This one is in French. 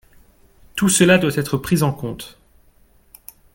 Tout cela doit être pris en compte.